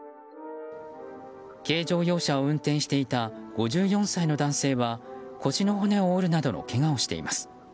軽乗用車を運転していた５４歳の男性は腰の骨を折るなどのけがをしています。